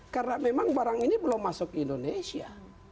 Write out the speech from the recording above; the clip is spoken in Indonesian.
karena memang barang ini belum masuk ke indonesia